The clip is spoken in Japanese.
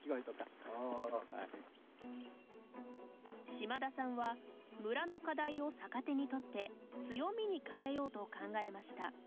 嶋田さんは村の課題を逆手にとって強みに変えようと考えました。